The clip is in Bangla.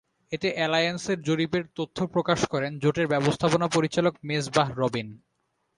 এতে অ্যালায়েন্সের জরিপের তথ্য প্রকাশ করেন জোটের ব্যবস্থাপনা পরিচালক মেসবাহ রবিন।